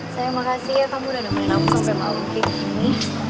sayang makasih ya kamu udah nemenin aku sampai mau kayak gini